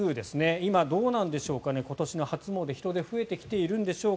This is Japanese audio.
今、どうなんでしょうか今年の初詣、人出は増えてきてるんでしょうか。